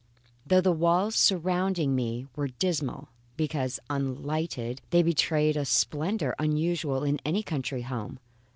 Though the walls surrounding me were dismal because unlighted, they betrayed a splendour unusual in any country house.